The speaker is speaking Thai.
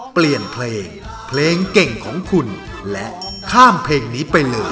เปลี่ยนเพลงเพลงเก่งของคุณและข้ามเพลงนี้ไปเลย